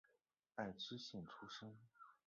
爱知县出身。